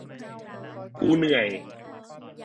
กูเหนื่อย